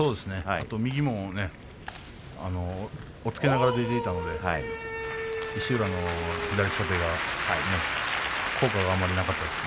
あと、右も押っつけながら出られていたので石浦の左下手が今回はあまり出ませんでした。